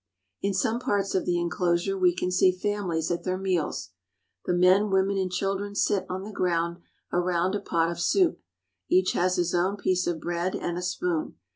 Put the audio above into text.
In some parts of the inclosure we can see families at their meals. The men, women, and children sit on the ground around a pot of soup. Each has his own piece of bread and a spoon.